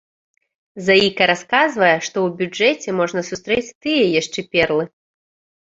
Заіка расказвае, што у бюджэце можна сустрэць тыя яшчэ перлы.